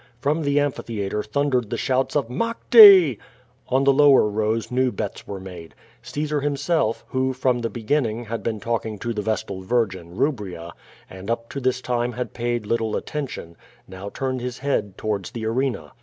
From the amphitheatre thundered the shouts of *'Maete!" On the lower rows new bets were made. Caesar, himselfi who, from the begiunins; had been talking to the vestal virJin, Kubria, and up to this time had paid little attention, now turned his head towards the arena.